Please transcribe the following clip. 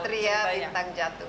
satria bintang jatuh